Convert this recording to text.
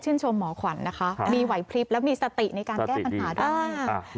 ชมหมอขวัญนะคะมีไหวพลิบและมีสติในการแก้ปัญหาได้